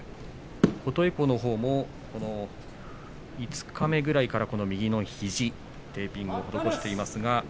琴恵光のほうも五日目ぐらいから右の肘テーピングを施しています。